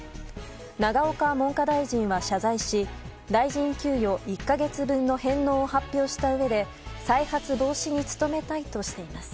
永岡文科大臣は謝罪し大臣給与１か月分の返納を発表したうえで再発防止に努めたいとしています。